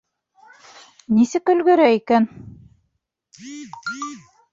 Нисек өлгөрә икән?